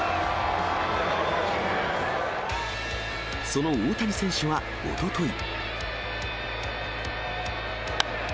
その大谷選手はおととい。